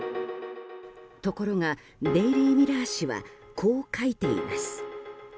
ところが、デイリー・ミラー紙はこう書いています。